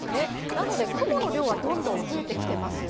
なので、雲の量はどんどん増えてきてます。